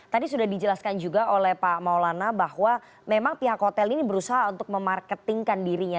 tadi sudah dijelaskan juga oleh pak maulana bahwa memang pihak hotel ini berusaha untuk memarketingkan dirinya